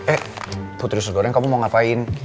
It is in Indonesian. eh putri usus goreng kamu mau ngapain